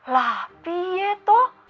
lah pie toh